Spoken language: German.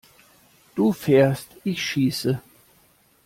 Du fährst, ich schieße!